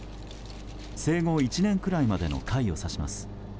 生後１年くらいまでの貝を指します。